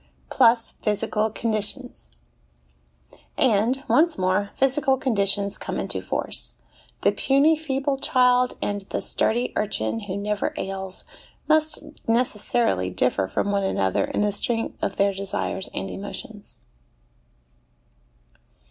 Plus Physical Conditions. And, once more, physical conditions come into force. The puny, feeble child and the sturdy urchin who never ails must necessarily differ from one another in the strength of their desires and emotions.